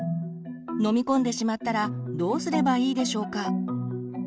飲み込んでしまったらどうすればいいでしょうか？